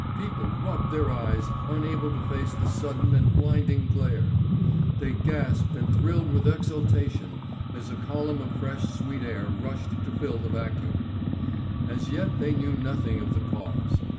People rubbed their eyes, unable to face the sudden and blinding glare. They gasped and thrilled with exultation as a column of fresh sweet air rushed to fill the vacuum. As yet they knew nothing of the cause.